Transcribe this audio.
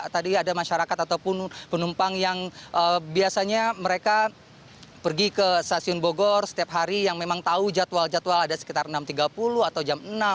tadi ada masyarakat ataupun penumpang yang biasanya mereka pergi ke stasiun bogor setiap hari yang memang tahu jadwal jadwal ada sekitar enam tiga puluh atau jam enam